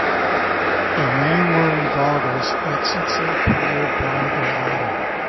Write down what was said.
A man wearing goggles exits a pool by the ladder.